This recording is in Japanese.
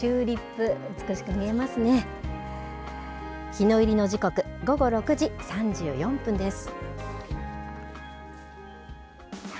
日の入りの時刻は午後６時２９分です。